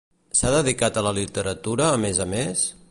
S'ha dedicat a la literatura, a més a més?